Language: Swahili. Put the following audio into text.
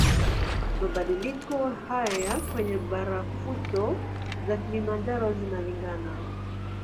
Mabadiliko haya kwenye barafuto za Kilimanjaro zinalingana